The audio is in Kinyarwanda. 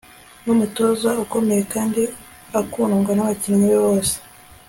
Numutoza ukomeye kandi akundwa nabakinnyi be bose